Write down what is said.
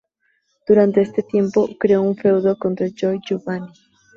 Durante este tiempo, creó un feudo contra Joy Giovanni.